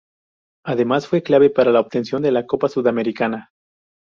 Además, fue clave para la obtención de la Copa Sudamericana.